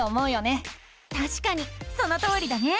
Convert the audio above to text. たしかにそのとおりだね！